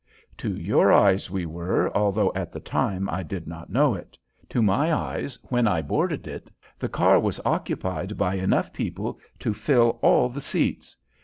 "To your eyes we were, although at the time I did not know it. To my eyes when I boarded it the car was occupied by enough people to fill all the seats.